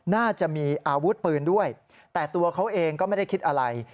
น่าจะมีอาวุธปืนด้วยแต่ตัวเขาเองก็ไม่ได้คิดอะไร